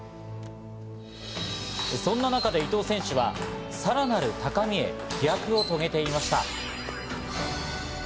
そんな中で伊藤選手はさらなる高みへ飛躍を遂げていました。